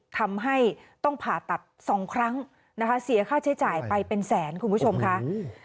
ทำให้ต้องผ่าตัดสองครั้งนะคะเสียค่าใช้จ่ายไปเป็นแสนคุณผู้ชมค่ะ